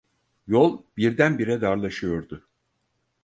Yol birdenbire darlaşıyordu.